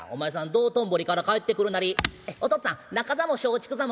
道頓堀から帰ってくるなり『お父っつぁん仲座も松竹座も明日が初日です